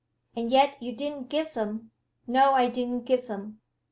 "And yet you didn't give them?" "No; I didn't give them."